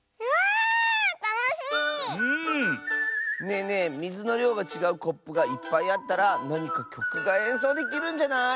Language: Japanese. ねえねえみずのりょうがちがうコップがいっぱいあったらなにかきょくがえんそうできるんじゃない？